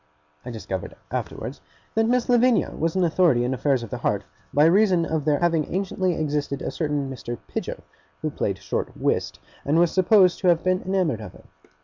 I discovered afterwards that Miss Lavinia was an authority in affairs of the heart, by reason of there having anciently existed a certain Mr. Pidger, who played short whist, and was supposed to have been enamoured of her.